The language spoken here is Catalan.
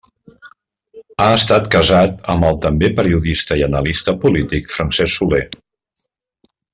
Ha estat casat amb el també periodista i analista polític Francesc Soler.